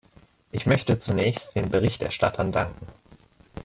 Ich möchte zunächst den Berichterstattern danken.